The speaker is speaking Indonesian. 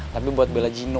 tapi buat bela gino